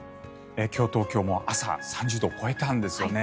今日、東京朝３０度を超えたんですよね。